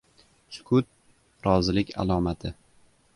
• Sukut ― rozilik alomati